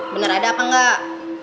bener ada apa enggak